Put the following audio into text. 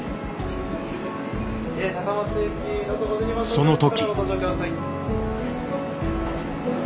その時。